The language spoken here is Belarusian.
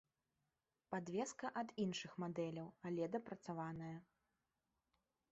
Падвеска ад іншых мадэляў, але дапрацаваная.